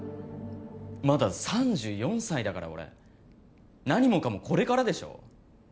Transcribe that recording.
まだ３４歳だから俺何もかもこれからでしょ？